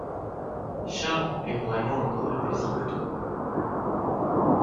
Charles est vraiment un drôle de zigoto.